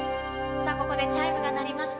さあ、ここでチャイムが鳴りました。